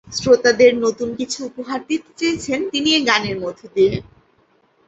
শ্রোতাদের নতুন কিছু উপহার দিতে চেয়েছেন তিনি এ গানের মধ্য দিয়ে।